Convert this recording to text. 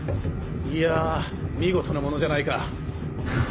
いやぁ見事なものじゃないか。